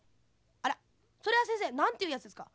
あらそれはせんせいなんていうやつですか？